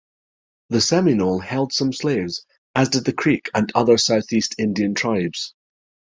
The Seminole held some slaves, as did the Creek and other Southeast Indian tribes.